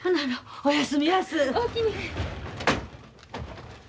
おおきに。